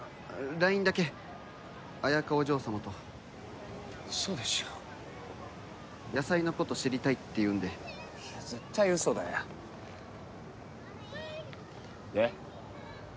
ＬＩＮＥだけあやかお嬢様とウソでしょ野菜のこと知りたいっていうんで絶対ウソだよで？